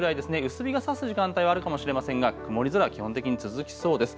薄日がさす時間帯もあるかもしれませんが曇り空基本的に続きそうです。